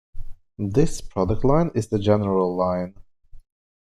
This product line is the "General" line.